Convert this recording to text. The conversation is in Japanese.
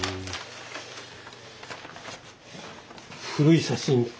古い写真等